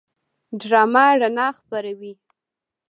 ډرامه رڼا خپروي